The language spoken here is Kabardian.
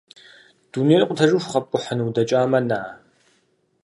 Дунейр къутэжыху къэпкӀухьыну удэкӀамэ, на!